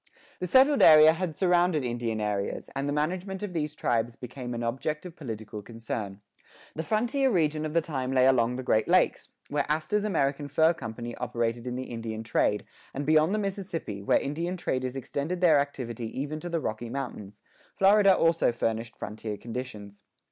This settled area had surrounded Indian areas, and the management of these tribes became an object of political concern. The frontier region of the time lay along the Great Lakes, where Astor's American Fur Company operated in the Indian trade,[6:3] and beyond the Mississippi, where Indian traders extended their activity even to the Rocky Mountains; Florida also furnished frontier conditions.